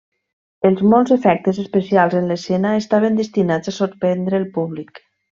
Els molts efectes especials en l'escena estaven destinats a sorprendre el públic.